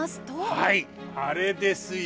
はいあれですよ。